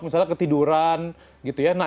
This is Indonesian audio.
misalnya ketiduran gitu ya